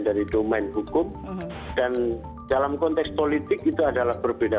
dan dalam konteks politik itu adalah berbeda